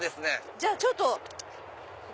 じゃあちょっと。